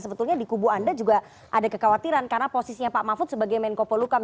sebetulnya di kubu anda juga ada kekhawatiran karena posisinya pak mahfud sebagai menko polukam